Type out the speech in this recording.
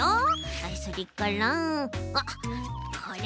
あっそれからあっこれも。